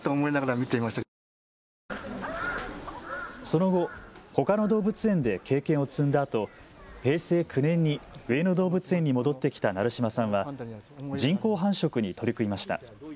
その後、ほかの動物園で経験を積んだあと、平成９年に上野動物園に戻ってきた成島さんは人工繁殖に取り組みました。